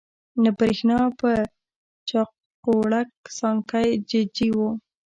نه برېښنا په چاقوړک، سانکۍ ججي وو